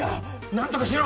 何とかしろ！